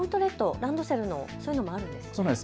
ランドセルのそういうのもあるんですね。